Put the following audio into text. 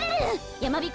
やまびこ